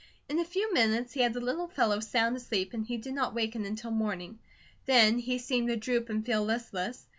In a few minutes he had the little fellow sound asleep and he did not waken until morning; then he seemed to droop and feel listless.